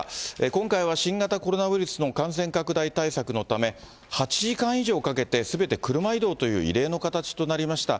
今回は、新型コロナウイルスの感染拡大対策のため、８時間以上かけて、すべて車移動という異例の形となりました。